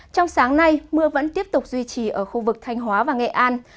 trong sáng nay mưa vẫn tiếp tục duy trì ở khu vực thanh hóa và nghệ an